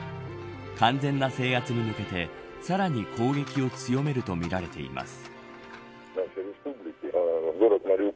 完全な制圧に向けてさらに攻撃を強めるとみられています。